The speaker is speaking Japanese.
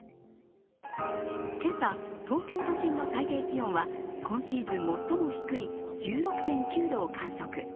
今朝、東京都心の最低気温は今シーズン最も低い１６．９度を観測。